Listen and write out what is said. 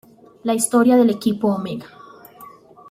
La historia del equipo Omega.